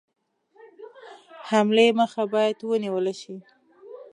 حملې مخه باید ونیوله شي.